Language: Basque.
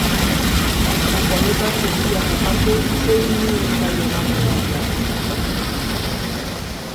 Honetaz guztiaz aparte, zeini ez zaio barre egitea gustatzen?